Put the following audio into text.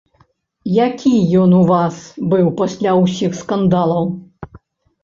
Які ён у вас быў пасля усіх скандалаў?